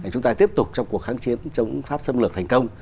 chúng ta tiếp tục trong cuộc kháng chiến chống pháp xâm lược thành công